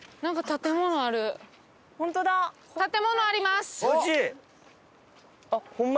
建物あります！